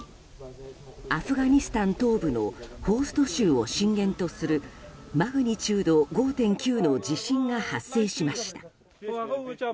アフガニスタン東部のホースト州を震源とするマグニチュード５．９の地震が発生しました。